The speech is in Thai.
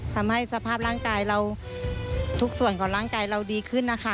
ทำให้สภาพร่างกายเราทุกส่วนของร่างกายเราดีขึ้นนะคะ